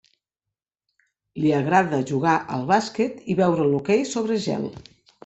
Li agrada jugar al basquet i veure l'hoquei sobre gel.